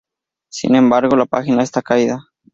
Sin embargo, la página está caída.